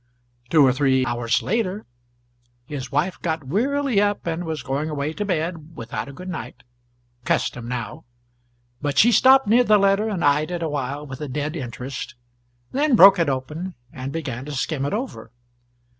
Two or three hours later his wife got wearily up and was going away to bed without a good night custom now but she stopped near the letter and eyed it awhile with a dead interest, then broke it open, and began to skim it over.